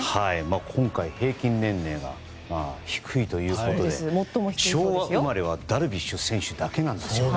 今回平均年齢が低いということで昭和生まれはダルビッシュ選手だけですね。